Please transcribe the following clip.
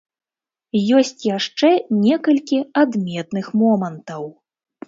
Ёсць яшчэ некалькі адметных момантаў.